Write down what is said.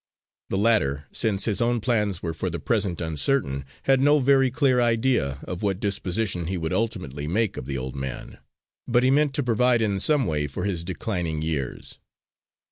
The latter, since his own plans were for the present uncertain, had no very clear idea of what disposition he would ultimately make of the old man, but he meant to provide in some way for his declining years.